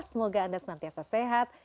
semoga anda senantiasa sehat